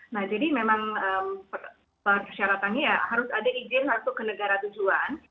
nah jadi memang persyaratannya ya harus ada izin masuk ke negara tujuan